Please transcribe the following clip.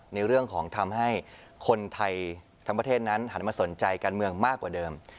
ในเรื่องของทำให้คนไทยทั้งประเทศนั้นหันมาสนใจการเมืองมากกว่าเดิม